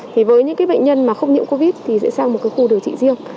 thì với những cái bệnh nhân mà không nhiễm covid thì sẽ sang một cái khu điều trị riêng